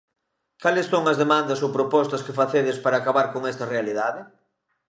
Cales son as demandas ou propostas que facedes para acabar con esa realidade?